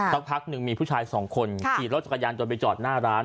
สักพักหนึ่งมีผู้ชายสองคนขี่รถจักรยานยนต์ไปจอดหน้าร้าน